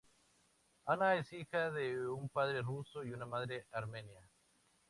Anna es hija de un padre ruso y una madre armenia.